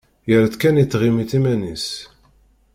Yerra-tt kan i tɣimit iman-is.